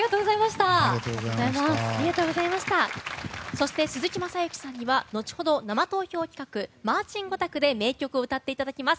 そして、鈴木雅之さんには後ほど、生投票企画マーチン５択で名曲を歌っていただきます。